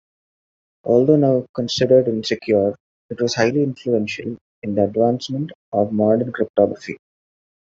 Although now considered insecure, it was highly influential in the advancement of modern cryptography.